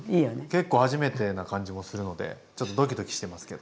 結構初めてな感じもするのでちょっとドキドキしてますけど。